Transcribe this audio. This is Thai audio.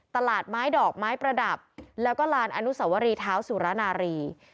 ตลาดไม้ดอกไม้ประดับแล้วก็ลานอนุสวรีเท้าสุรนารี